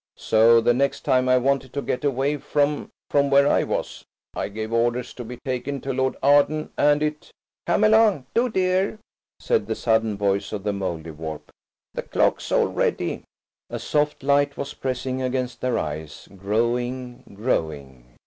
So the next time I wanted to get away from–from where I was–I gave orders to be taken to Lord Arden. And it–" "Come along, do, dear," said the sudden voice of the Mouldiwarp. "The clock's all ready." A soft light was pressing against their eyes–growing, growing.